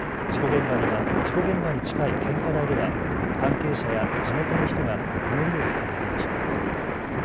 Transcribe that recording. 事故現場に近い献花台では関係者や地元の人が祈りをささげていました。